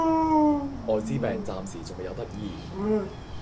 愛滋病暫時仲未有得醫